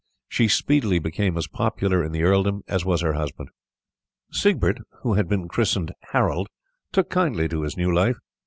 She speedily became as popular in the earldom as was her husband. Siegbert, who had been christened Harold, took kindly to his new life.